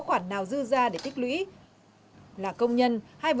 khoảng một mươi năm lượt một ngày